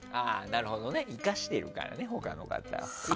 なるほどね、生かしてるからね他の方を。